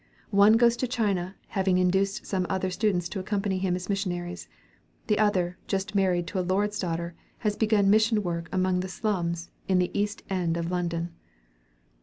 One goes to China, having induced some other students to accompany him as missionaries; the other, just married to a lord's daughter, has begun mission work among the slums in the East End of London.